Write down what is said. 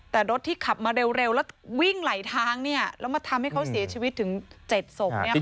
แต่รถที่ขับมาเร็วแล้ววิ่งไหลทางแล้วมาทำให้เขาเสียชีวิตถึง๗ศพ